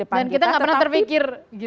dan kita tidak pernah terpikir gitu ya